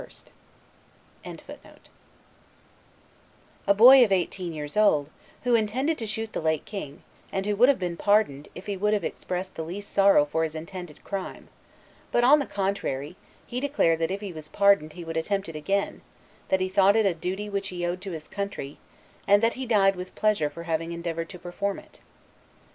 ] a boy of eighteen years old, who intended to shoot the late king, and who would have been pardoned, if he would have expressed the least sorrow for his intended crime; but, on the contrary, he declared that if he was pardoned he would attempt it again; that he thought it a duty which he owed to his country, and that he died with pleasure for having endeavored to perform it.